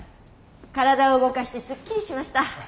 体を動かしてすっきりしました。